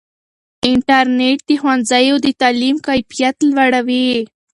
انټرنیټ د ښوونځیو د تعلیم کیفیت لوړوي.